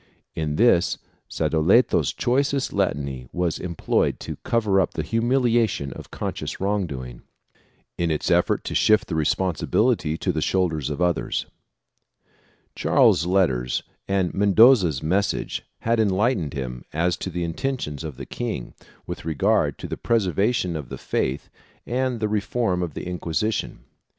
In this Sadoleto's choicest Latinity was employed to cover up the humiliation of conscious wrong doing, in its effort to shift the responsibility to the shoulders of others. Charles's letters and Mendoza's message had enlightened him as to the intentions of the king with regard to the preservation of the faith and the reform of the Inquisition.